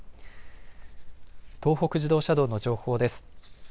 東北自動車道の情報です。